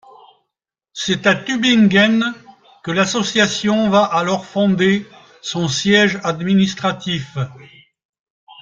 C'est à Tübingen que l'association va alors fonder son siège administratif.